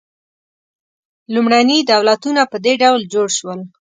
لومړني دولتونه په دې ډول جوړ شول.